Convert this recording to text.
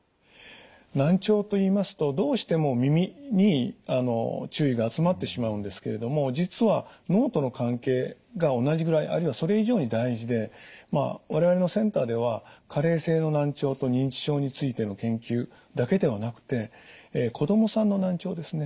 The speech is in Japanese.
難聴といいますとどうしても耳に注意が集まってしまうんですけれども実は脳との関係が同じぐらいあるいはそれ以上に大事で我々のセンターでは加齢性の難聴と認知症についての研究だけではなくて子供さんの難聴ですね。